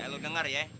eh lo denger ya